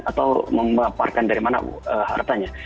atau memaparkan dari mana hartanya